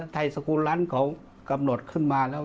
ไทยสกุลร้านของกำหนดขึ้นมาแล้ว